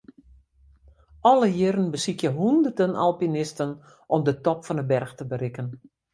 Alle jierren besykje hûnderten alpinisten om de top fan 'e berch te berikken.